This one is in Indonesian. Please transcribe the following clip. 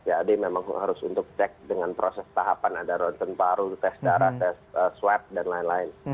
jadi memang harus untuk cek dengan proses tahapan ada ronten paru tes darah tes swab dan lain lain